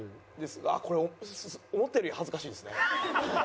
これ思ったより恥ずかしいですね。